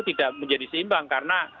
tidak menjadi seimbang karena